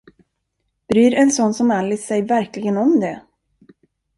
Bryr en sån som Alice sig verkligen om det?